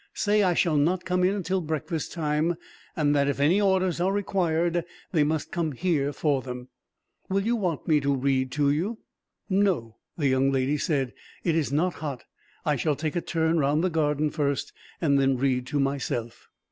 Say I shall not come in until breakfast time, and that if any orders are required, they must come here for them." "Will you want me to read to you?" "No," the young lady said. "It is not hot. I shall take a turn round the garden, first, and then read to myself."